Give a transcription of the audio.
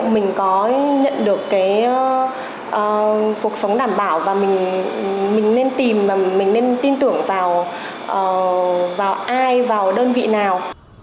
mình nên tìm và mình nên tin tưởng vào ai vào đơn vị nào